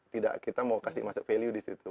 tidak kita mau kasih masuk value di situ